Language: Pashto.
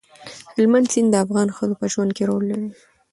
هلمند سیند د افغان ښځو په ژوند کې رول لري.